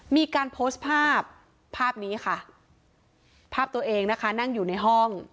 มีการโพสต์ภาพภาพนี้ค่ะภาพตัวเองนะคะนั่งอยู่ในห้อง